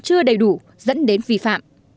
chưa đầy đủ dẫn đến vi phạm